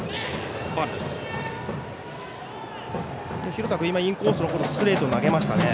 廣田君、インコースにストレート投げましたね。